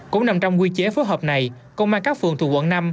cũng nằm trong quy chế phối hợp này công an các phường thuộc quận năm